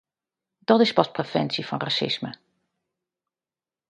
Dat is pas preventie van racisme!